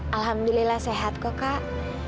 alhamdulillah sehat kok kak